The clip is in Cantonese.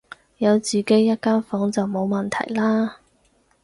有自己一間房就冇問題啦